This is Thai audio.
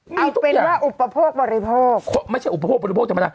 เอาเป็นว่าอุปโภคบริโภคไม่ใช่อุปโภคบริโภคธรรมดา